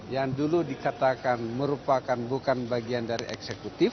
yang dulu dikatakan merupakan bukan bagian dari eksekutif